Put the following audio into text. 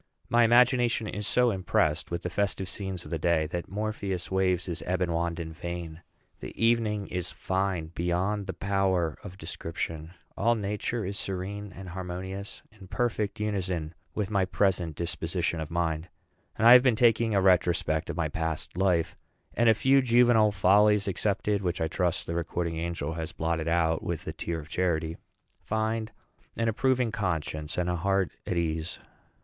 My imagination is so impressed with the festive scenes of the day that Morpheus waves his ebon wand in vain. The evening is fine beyond the power of description; all Nature is serene and harmonious, in perfect unison with my present disposition of mind. I have been taking a retrospect of my past life, and, a few juvenile follies excepted, which I trust the recording angel has blotted out with a tear of charity, find an approving conscience and a heart at ease.